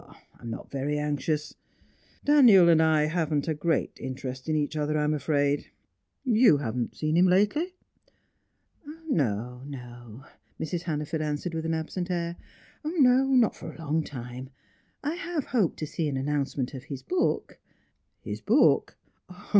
"Oh, I'm not very anxious. Daniel and I haven't a great interest in each other, I'm afraid. You haven't seen him lately?" "No, no," Mrs. Hannaford answered, with an absent air. "No not for a long time. I have hoped to see an announcement of his book." "His book?